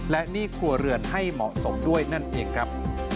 และหนี้ครัวเรือนให้เหมาะสมด้วยนั่นเองครับ